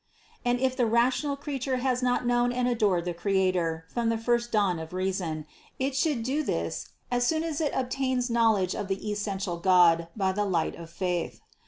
241. And if the rational creature has not known and adored the Creator from the first dawn of reason, it should do this as soon as it obtains knowledge of the essential God by the light of faith.